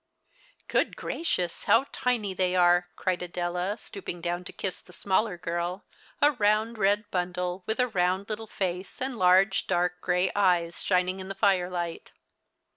" Good gracious, how tiny they are !" cried Adela, stooping down to kiss the smaller girl, a round red bundle, with a round little face, and large dark grey eyes shining in the firelight.